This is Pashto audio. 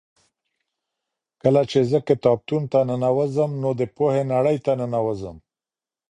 کله چې زه کتابتون ته ننوځم نو د پوهې نړۍ ته ننوځم.